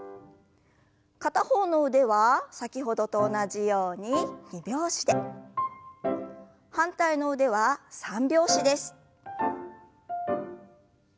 片方の腕は先ほどと同じように二拍子で反対の腕は三拍子です。